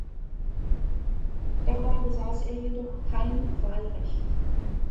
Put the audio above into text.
Dabei besaß er jedoch kein Wahlrecht.